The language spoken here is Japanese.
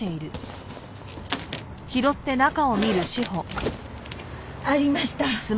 あっ！ありました。